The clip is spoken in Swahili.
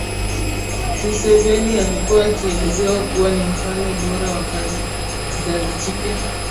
museveni alikuwa akielezewa kuwa ni mfano bora wa kizazi kipya